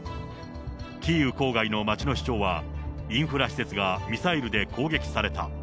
キーウ郊外の街の市長は、インフラ施設がミサイルで攻撃された。